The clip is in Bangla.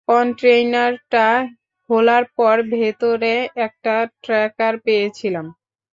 কন্টেইনারটা খোলার পর ভেতরে একটা ট্র্যাকার পেয়েছিলাম।